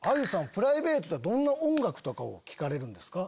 プライベートだとどんな音楽聴かれるんですか？